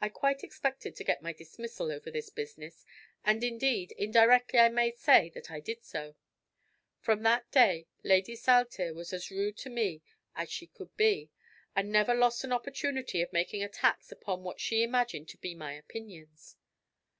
I quite expected to get my dismissal over this business, and indeed, indirectly I may say that I did so. From that day Lady Saltire was as rude to me as she could be, and never lost an opportunity of making attacks upon what she imagined to be my opinions.